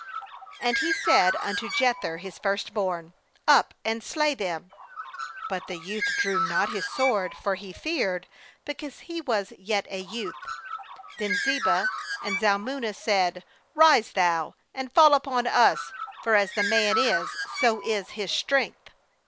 20And he said unto Jether his first born: 'Up, and slay them.' But the youth drew not his sword; for he feared, because he was yet a youth. 21Then Zebah and Zalmunna said: 'Rise thou, and fall upon us; for as the man is, so is his strength.'